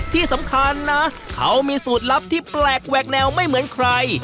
ที่สำคัญนะเขามีสูตรลับที่แปลกแหวกแนวไม่เหมือนใคร